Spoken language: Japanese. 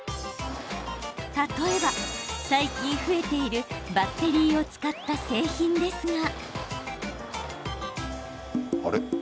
例えば、最近増えているバッテリーを使った製品ですが。